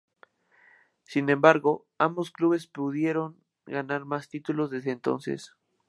Sin embargo, ambos clubes pudieron ganar más títulos desde entonces.